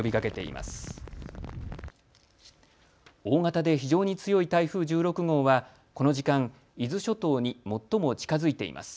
大型で非常に強い台風１６号はこの時間、伊豆諸島に最も近づいています。